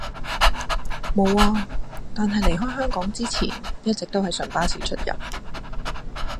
無呀，但係離開香港之前一直都係純巴士出入